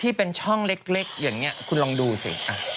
ที่เป็นช่องเล็กอย่างนี้คุณลองดูสิ